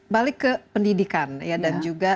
balik ke pendidikan dan juga